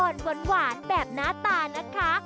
อ่อนหวานแบบหน้าตานะคะ